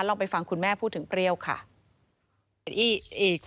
ลองไปฟังคุณแม่พูดถึงเปรี้ยวค่ะ